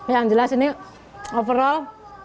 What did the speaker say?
yang jelas ini overall